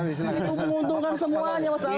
itu penguntungan semuanya mas ami